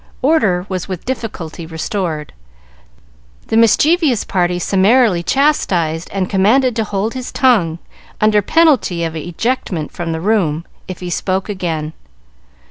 Order was with difficulty restored, the mischievous party summarily chastised and commanded to hold his tongue, under penalty of ejectment from the room if he spoke again.